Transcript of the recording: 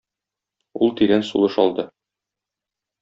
Ул тирән сулыш алды.